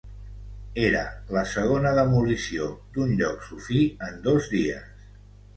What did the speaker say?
Era la segona demolició d'un lloc sufí en dos dies.